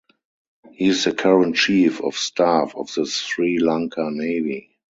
He is the current Chief of Staff of the Sri Lanka Navy.